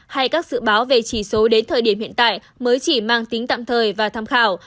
hay các dự báo về chỉ số đến thời điểm hiện tại mới chỉ mang tính tạm thời và tham khảo